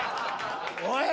おい！